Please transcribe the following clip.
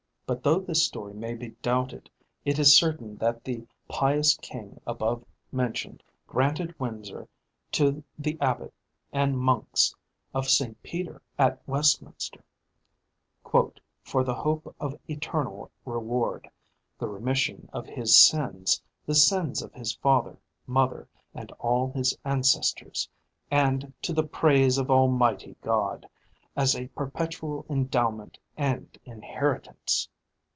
But though this story may be doubted, it is certain that the pious king above mentioned granted Windsor to the abbot and monks of Saint Peter at Westminster, "for the hope of eternal reward, the remission of his sins, the sins of his father, mother, and all his ancestors, and to the praise of Almighty God, as a perpetual endowment and inheritance."